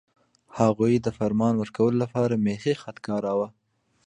هغوی د فرمان ورکولو لپاره میخي خط کاراوه.